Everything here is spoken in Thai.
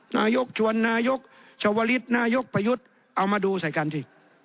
นายกชวนนายกเฉวาลิสตร์นายกประยุทธ์เอามาดูซัยกันสิ